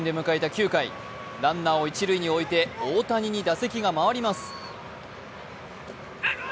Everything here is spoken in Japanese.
９点ランナーを一塁に置いて大谷に打席が回ります。